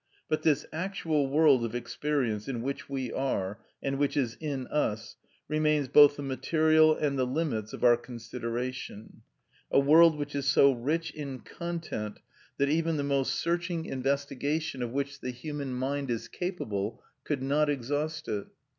But this actual world of experience, in which we are, and which is in us, remains both the material and the limits of our consideration: a world which is so rich in content that even the most searching investigation of which the human mind is capable could not exhaust it.